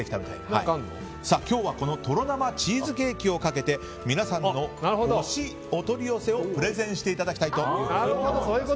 今日はこのとろ生チーズケーキをかけて皆さんの推しお取り寄せをプレゼンしていただきたいと思います。